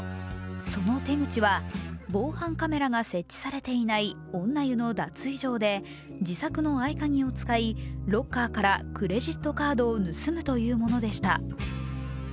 その手口は防犯カメラが設置されていない女湯の脱衣場で自作の合い鍵を使いロッカーからクレジットカードを盗むというものでした。